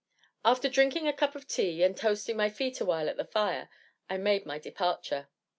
After drinking a cup of tea and toasting my feet awhile at the fire, I made my departure.